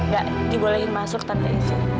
gak dibolehin masuk tanpa izin